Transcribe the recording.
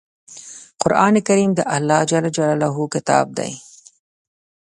قرآن کریم د الله ﷺ کتاب دی.